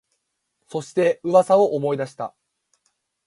そして、噂を思い出した